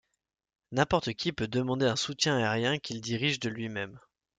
N'importe qui peut demander un soutien aérien qu'il dirige de lui-même.